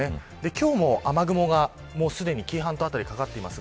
今日も雨雲はすでに紀伊半島辺りにかかっています。